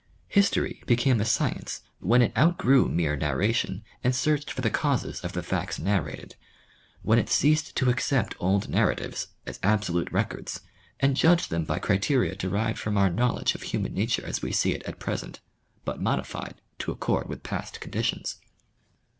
History became a science when it outgrew mere nai ration and seai'ched for the causes of the facts narrated ; when it ceased to accept old narratives as absolute records and judged them by criteria derived from our knowledge of human nature as we see it at present, but modified to accord with past conditions.